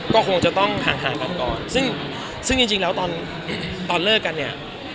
ก็คงจะต้องห่างกันก่อนซึ่งซึ่งจริงแล้วตอนตอนเลิกกันเนี่ย